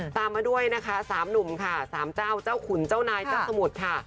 ตามมาด้วยนะคะ๓หนุ่มค่ะ๓เจ้าเจ้าขุนเจ้านายเจ้าสมุทรค่ะ